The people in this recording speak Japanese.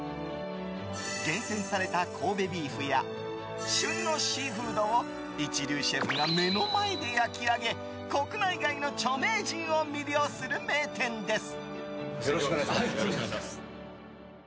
厳選された神戸ビーフや旬のシーフードを一流シェフが目の前で焼き上げ国内外の著名人を魅了する名店です。